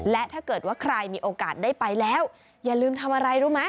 และถ้าเกิดว่าใครมีโอกาสได้ไปแล้วอย่าลืมทำอะไรรู้ไหม